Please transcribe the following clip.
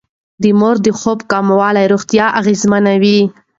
د مور د خوب کموالی روغتيا اغېزمنوي.